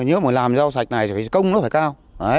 nếu mà làm rau sạch này thì phải công nó phải cao